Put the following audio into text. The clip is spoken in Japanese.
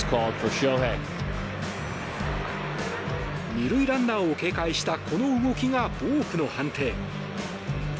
２塁ランナーを警戒したこの動きがボークの判定。